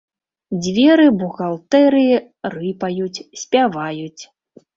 Дзверы бухгалтэрыі рыпаюць, спяваюць.